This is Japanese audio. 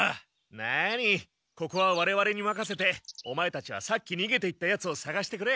なにここはわれわれにまかせてオマエたちはさっきにげていったヤツをさがしてくれ。